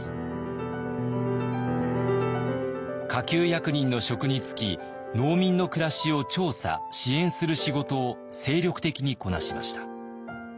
下級役人の職に就き農民の暮らしを調査・支援する仕事を精力的にこなしました。